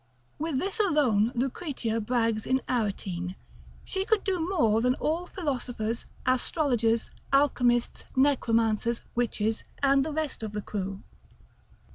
With this alone Lucretia brags in Aretine, she could do more than all philosophers, astrologers, alchemists, necromancers, witches, and the rest of the crew.